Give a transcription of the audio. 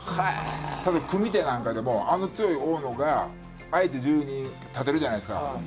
例えば組み手なんかでも、あの強い大野が、相手、１０人立てるじゃないですか。